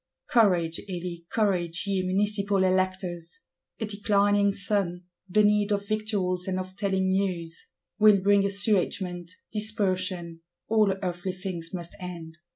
Courage, Elie! Courage, ye Municipal Electors! A declining sun; the need of victuals, and of telling news, will bring assuagement, dispersion: all earthly things must end.